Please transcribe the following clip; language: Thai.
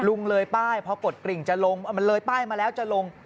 ลุงเลยป้ายพอกดกริ่งจะลงมันเลยป้ายมาแล้วจะลง